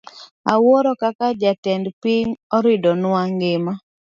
Awuoro kaka jatend piny oridonwa ngima.